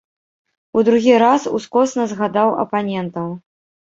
У другі раз ускосна згадаў апанентаў.